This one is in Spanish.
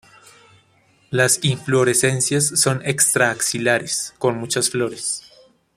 Las inflorescencias son extra-axilares, con muchas flores.